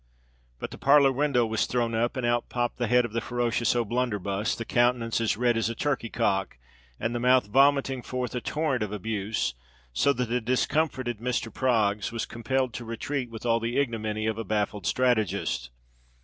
But the parlour window was thrown up, and out popped the head of the ferocious O'Blunderbuss, the countenance as red as a turkey cock, and the mouth vomiting forth a torrent of abuse; so that the discomfited Mr. Proggs was compelled to retreat with all the ignominy of a baffled strategist.